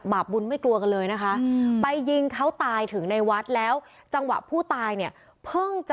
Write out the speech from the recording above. บาปบุญไม่กลัวกันเลยนะคะไปยิงเขาตายถึงในวัดแล้วจังหวะผู้ตายเนี่ยเพิ่งจะ